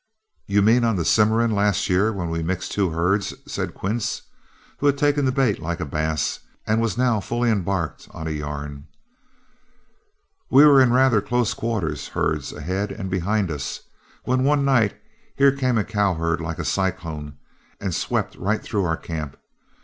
"You mean on the Cimarron last year when we mixed two herds," said Quince, who had taken the bait like a bass and was now fully embarked on a yarn. "We were in rather close quarters, herds ahead and behind us, when one night here came a cow herd like a cyclone and swept right through our camp.